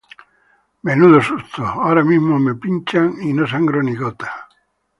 ¡Menudo susto! Ahora mismo me pinchan y no sangro ni gota